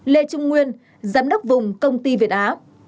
lê trung nguyên giám đốc vùng công ty việt á